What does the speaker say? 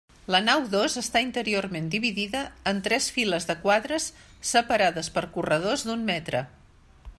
La nau dos està interiorment dividida en tres files de quadres separades per corredors d'un metre.